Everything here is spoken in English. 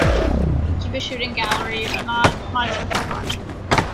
I keep a shooting gallery, but not much of a one.